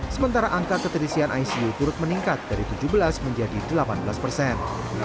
sementara angka keterisian icu turut meningkat dari tujuh belas menjadi delapan belas persen